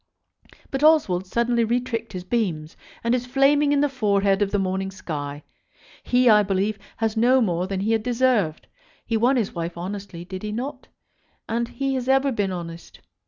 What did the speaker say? But Oswald suddenly retricked his beams, and is flaming in the forehead of the morning sky. He, I believe, has no more than he has deserved. He won his wife honestly; did he not? And he has ever been honest.